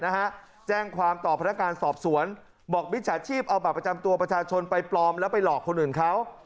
นะฮะแจ้งความต่อพนักงานสอบสวนบอกมิจฉาชีพเอาบัตรประจำตัวประชาชนไปปลอมแล้วไปหลอกคนอื่นเขา